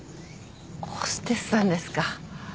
ホステスさんですか。